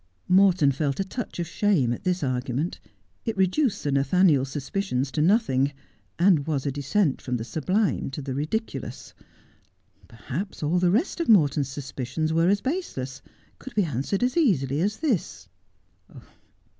Morton felt a touch of shame at this argument. It reduced Sir Nathaniel's suspicions to nothing, and was a descent from the sublime to the ridiculous. Perhaps all the rest of Morton's suspicions were as baseless — could be answered as easily as this.